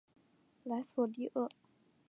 莱索蒂厄。